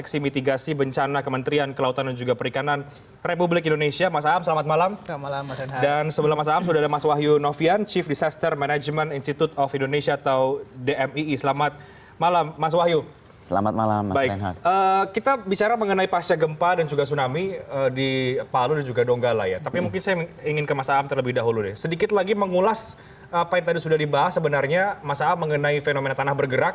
sebenarnya masalah mengenai fenomena tanah bergerak